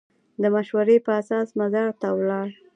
د مشورې په اساس مزار ته ولاړ.